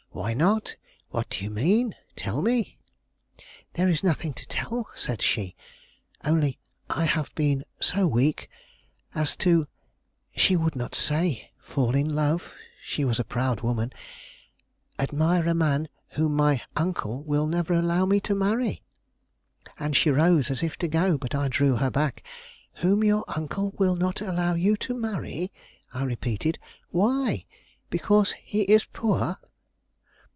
"Why not? What do you mean? Tell me." "There is nothing to tell," said she; "only I have been so weak as to" she would not say, fall in love, she was a proud woman "admire a man whom my uncle will never allow me to marry." And she rose as if to go; but I drew her back. "Whom your uncle will not allow you to marry!" I repeated. "Why? because he is poor?"